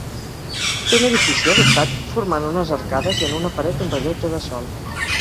Té un edifici adossat formant unes arcades i en una paret un rellotge de sol.